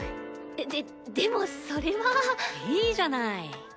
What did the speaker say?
ででもそれは。いいじゃない。